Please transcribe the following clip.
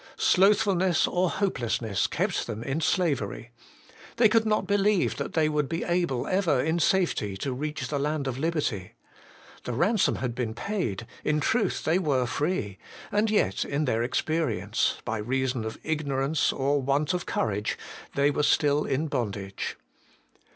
Slothfulness or hopelessness kept them in slavery ; they could not believe that they would be able ever in safety to reach the land of liberty. The ransom had been paid ; in truth they were free ; and yet in their experience, by reason of It 178 HOLY IN CHRIST. ignorance or want of courage, they were still iu bondage.